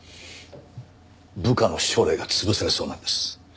部下の将来が潰されそうなんです。